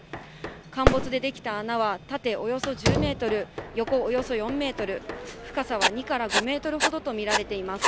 陥没で出来た穴は、縦およそ１０メートル、横およそ４メートル、深さは２から５メートルほどと見られています。